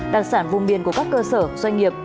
đặc sản vùng miền của các cơ sở doanh nghiệp